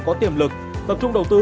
có tiềm lực tập trung đầu tư